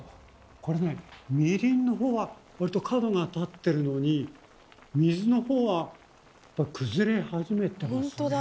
これねみりんのほうはわりと角が立ってるのに水のほうは崩れ始めてますね。